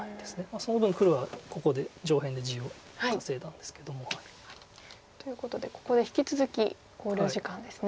その分黒はここで上辺で地を稼いだんですけども。ということでここで引き続き考慮時間ですね。